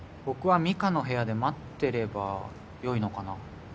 僕は美香の部屋で待ってればよいのかな？